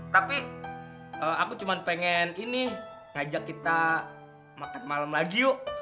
tapi aku cuma pengen ini ngajak kita makan malam lagi yuk